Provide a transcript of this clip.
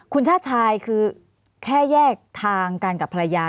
คุณชาติชายคือแค่แยกทางกันกับภรรยา